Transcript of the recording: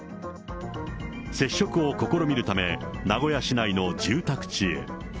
接触を試みるため、名古屋市内の住宅地へ。